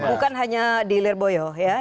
bukan hanya di lirboyo ya